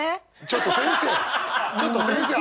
ちょっと先生！